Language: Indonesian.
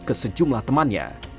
ke sejumlah temannya